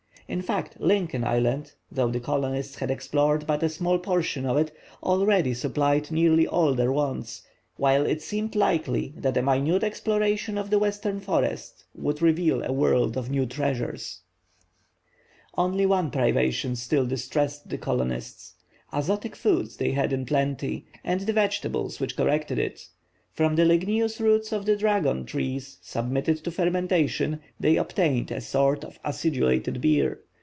In fact, Lincoln Island, though the colonists had explored but a small portion of it, already supplied nearly all their wants, while it seemed likely that a minute exploration of the western forests would reveal a world of new treasures. Only one privation still distressed the colonists. Azotic food they had in plenty, and the vegetables which corrected it; from the ligneous roots of the dragon trees, submitted to fermentation, they obtained a sort of acidulated beer.